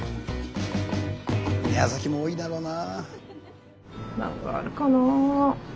宮崎も多いだろうな。